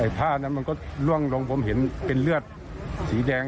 ผ้านั้นมันก็ล่วงลงผมเห็นเป็นเลือดสีแดง